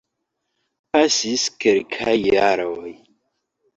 Pasis kelkaj jaroj.